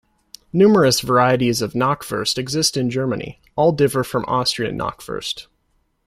Numerous varieties of knackwurst exist in Germany; all differ from Austrian knackwurst.